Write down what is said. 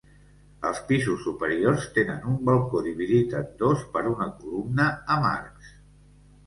Els pisos superiors tenen un balcó dividit en dos per una columna amb arcs.